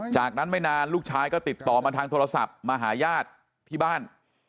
จากนั้นไม่นานลูกชายก็ติดต่อมาทางโทรศัพท์มาหาญาติที่บ้าน